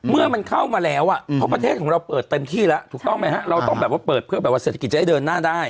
เมื่อมันเข้ามาแล้วอ่ะเพราะประเทศของเราเปิดเต็มที่แล้วถูกต้องไหมฮะเราต้องแบบว่าเปิดเพื่อแบบว่าเศรษฐกิจจะได้เดินหน้าได้